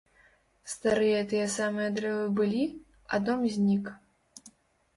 Старыя тыя самыя дрэвы былі, а дом знік.